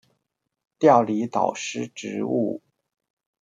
調離導師職務